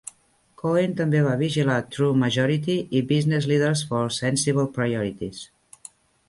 Cohen també va vigilar TrueMajority i Business Leaders for Sensible Priorities.